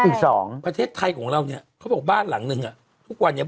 อีกสองประเทศไทยของเราเนี้ยเขาบอกบ้านหลังนึงอ่ะทุกวันนี้